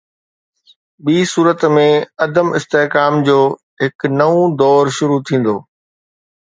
ٻي صورت ۾، عدم استحڪام جو هڪ نئون دور شروع ٿيندو.